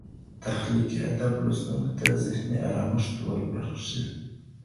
تخلیقي ادب لوستونکو ته ذهني ارامښت وربښي.